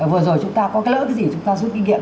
vừa rồi chúng ta có cái lỡ cái gì chúng ta rút kinh nghiệm